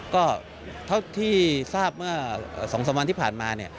ก็ที่ทราบเมื่อ๒๓วันที่ผ่านมา